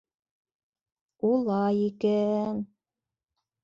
— Улай икә-ән.